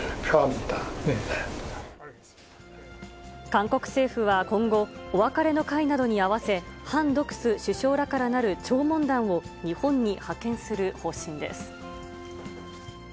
韓国政府は今後、お別れの会などに合わせ、ハン・ドクス首相らからなる弔問団を日本に派遣する方針です。